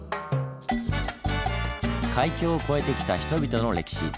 海峡を越えてきた人々の歴史。